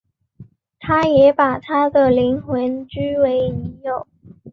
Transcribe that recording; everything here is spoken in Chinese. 他也把她的灵魂据为己有。